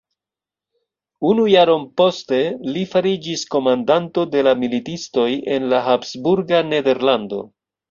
Unu jaron poste, li fariĝis komandanto de la militistoj en la habsburga nederlando.